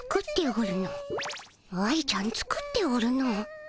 愛ちゃん作っておるの。